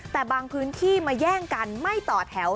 แต่บางพื้นที่มาแย่งกันไม่ต่อแถว